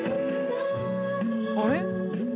あれ？